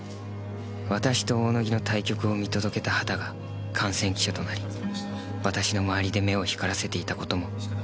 私と大野木の対局を見届けた畑が観戦記者となり私の周りで目を光らせていた事も重圧でした。